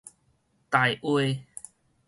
台話